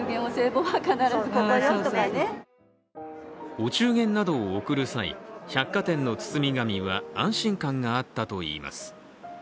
お中元などを贈る際、百貨店の包み紙は安心感があったといいます。